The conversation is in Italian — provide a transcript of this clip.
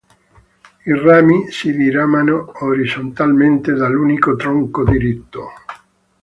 I rami si diramano orizzontalmente dall’unico tronco diritto.